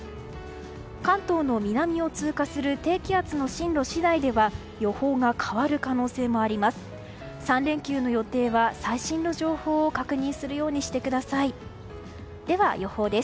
関東の南を通過する低気圧の進路次第では予報が変わる可能性もあります。